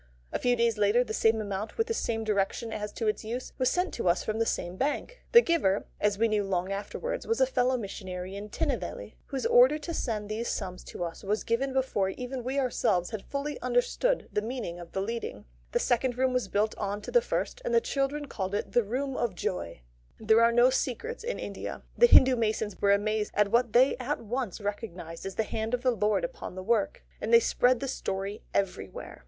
A few days later, the same amount, with the same direction as to its use, was sent to us from the same bank. The giver, as we knew long afterwards, was a fellow missionary in Tinnevelly, whose order to send these sums to us was given before even we ourselves had fully understood the meaning of the leading. The second room was built on to the first, and the children called it the Room of Joy. [Illustration: THE RED LAKE. Water Palms, with Mountains in the background.] There are no secrets in India. The Hindu masons were amazed at what they at once recognised as the hand of the Lord upon the work, and they spread the story everywhere.